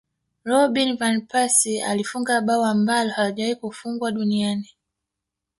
robin van persie alifunga bao ambalo halijawahi Kufungwa duniani